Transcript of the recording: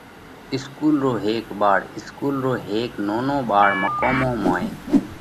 اِسڪُول رو هيڪ ٻاۯ: اِسڪُول رو هيڪ نونو ٻاۯ مقومون موئين